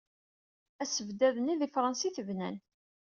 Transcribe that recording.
Asebdad-nni di Fransa i t-bnan.